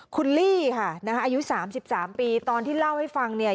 คุณลี่ค่ะนะฮะอายุ๓๓ปีตอนที่เล่าให้ฟังเนี่ย